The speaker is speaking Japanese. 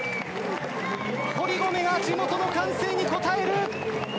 堀米が地元の歓声に応える！